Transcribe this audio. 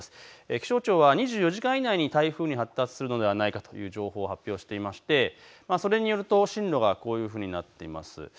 気象庁は２４時間以内に台風に発達するのではないかという情報を発表していまして、それによると進路がこういうふうになっています。